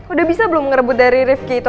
udah bisa belum ngerebut dari riff gitu